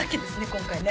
今回ね